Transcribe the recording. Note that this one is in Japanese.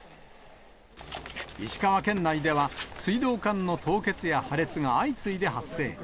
石川県内では、水道管の凍結や破裂が相次いで発生。